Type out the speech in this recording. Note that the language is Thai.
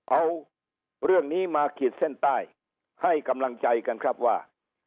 เอาเรื่องนี้มาขีดเส้นใต้ให้กำลังใจกันครับว่า